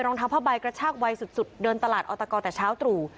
รองเท้าผ้าใบกระชากวัยสุดเดินตลาดออตกแต่เช้าตรู่